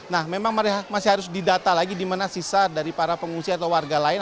nah memang masih harus didata lagi di mana sisa dari para pengungsi atau warga lain